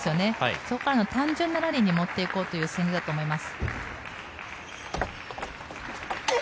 そこからの単純なラリーに持って行こうという攻めだと思います。